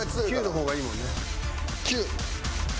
９の方がいいもんね。